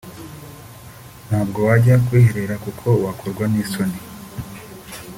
ntabwo wajya kwiherera kuko wakorwa n’isoni